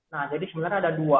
nah jadi sebenarnya ada dua